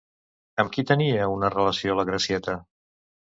Amb qui tenia una relació la Gracieta?